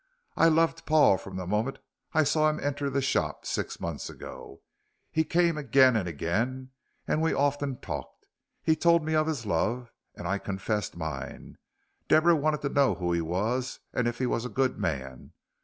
"I loved Paul from the moment I saw him enter the shop six months ago. He came again and again, and we often talked. Then he told me of his love, and I confessed mine. Deborah wanted to know who he was, and if he was a good man.